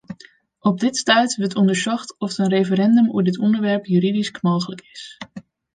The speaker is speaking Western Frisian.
Op dit stuit wurdt ûndersocht oft in referindum oer dit ûnderwerp juridysk mooglik is.